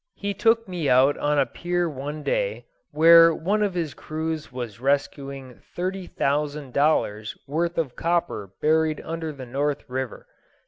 He took me out on a pier one day, where one of his crews was rescuing thirty thousand dollars' worth of copper buried under the North River.